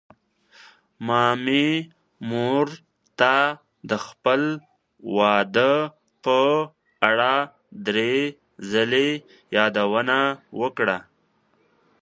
ما مې مور ته د خپل واده په اړه دری ځلې يادوونه وکړه.